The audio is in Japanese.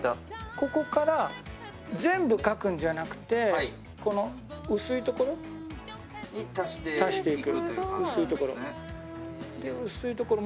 ここから、全部描くんじゃなくて薄いところに足していく。